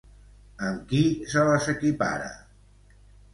Amb qui se les equipara?